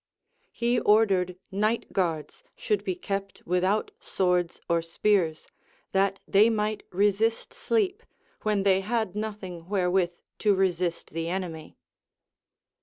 He ordered night guards should be kept without swords or spears, that they might resist sleep, when they liad nothing wherewith to resist the enemy.